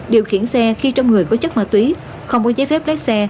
điều khiển xe khi trong người có chất ma túy không có giấy phép lái xe